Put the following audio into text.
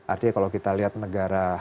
artinya kalau kita lihat negara